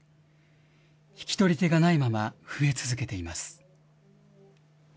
引き取り手がないまま増え続けています。